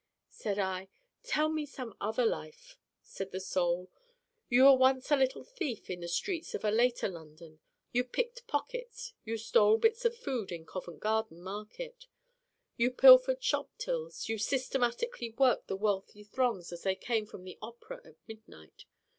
Said I: 'Tell me some other life.' Said the Soul: 'You were once a little thief in the streets of a later London. You picked pockets, you stole bits of food in Covent Garden market, you pilfered shop tills, you systematically worked the wealthy throngs as they came from the Opera at midnight.